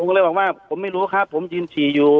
ก็เลยบอกว่าผมไม่รู้ครับผมยืนฉี่อยู่